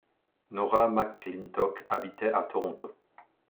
Norah McClintock habitait à Toronto.